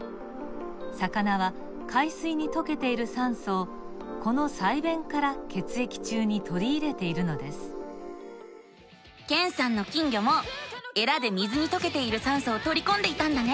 魚は海水にとけている酸素をこの鰓弁から血液中にとりいれているのですけんさんの金魚もえらで水にとけている酸素をとりこんでいたんだね。